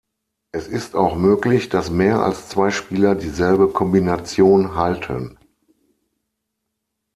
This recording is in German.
Es ist auch möglich, dass mehr als zwei Spieler dieselbe Kombination halten.